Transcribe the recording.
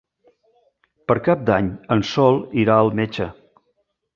Per Cap d'Any en Sol irà al metge.